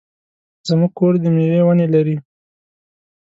زمونږ کور د مېوې ونې لري.